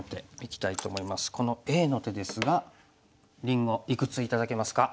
このＡの手ですがりんごいくつ頂けますか？